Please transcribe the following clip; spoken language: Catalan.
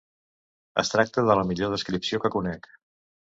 Es tracta de la millor descripció que conec.